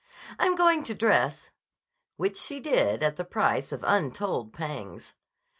"I'm going to dress." Which she did, at the price of untold pangs.